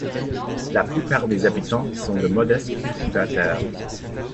La plupart des habitants sont de modestes cultivateurs.